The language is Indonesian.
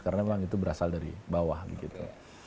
karena memang itu berasal dari bawah begitu